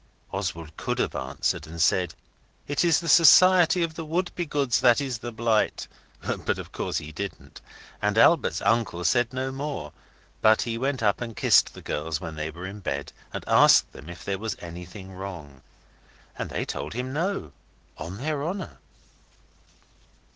Oswald could have answered and said, 'It is the Society of the Wouldbegoods that is the blight,' but of course he didn't and Albert's uncle said no more, but he went up and kissed the girls when they were in bed, and asked them if there was anything wrong. And they told him no, on their honour.